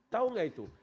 tahu gak itu